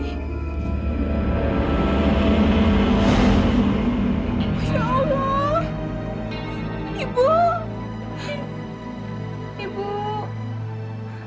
kenapa ibu memilih menderita seperti ini